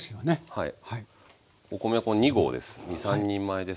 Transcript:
はい。